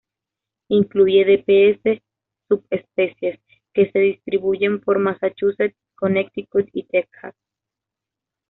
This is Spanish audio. Incluye dps subespecies, que se distribuyen por Massachusetts, Connecticut y Texas.